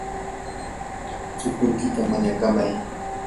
chukuykita manakamay.